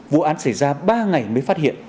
vụ án xảy ra ba ngày mới phát hiện